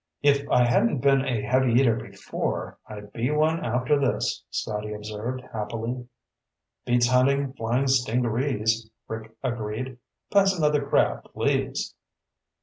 "If I hadn't been a heavy eater before, I'd be one after this," Scotty observed happily. "Beats hunting flying stingarees," Rick agreed. "Pass another crab, please."